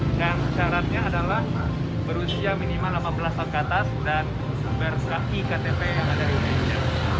nah syaratnya adalah berusia minimal lima belas tahun ke atas dan berzaki ktp yang ada di indonesia